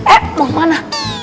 eh mau kemana